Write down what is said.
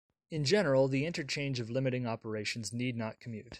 In general, the interchange of limiting operations need not commute.